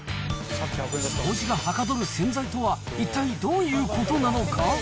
掃除がはかどる洗剤とは一体、どういうことなのか。